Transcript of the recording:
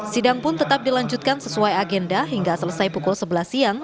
sidang pun tetap dilanjutkan sesuai agenda hingga selesai pukul sebelas siang